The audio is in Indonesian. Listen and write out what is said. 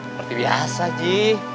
seperti biasa ji